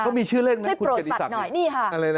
เขามีชื่อเล่นไหมคุณเกดีศักดิ์ช่วยโปรดสัตว์หน่อยนี่ค่ะ